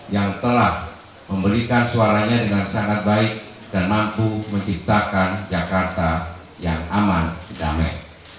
yang telah memberikan suaranya dengan sangat baik dan mampu menciptakan jakarta yang aman damai